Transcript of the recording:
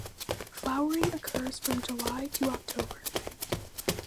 Flowering occurs from July to October.